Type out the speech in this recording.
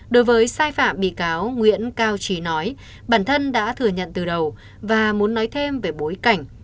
đối với sai phạm bị cáo nguyễn cao trí nói bản thân đã thừa nhận từ đầu và muốn nói thêm về bối cảnh